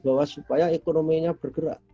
bahwa supaya ekonominya bergerak